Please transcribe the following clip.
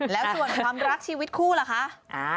แล้วส่วนความรักชีวิตคู่ล่ะคะ